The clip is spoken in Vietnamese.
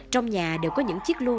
trong nhà đều có những chiếc lưu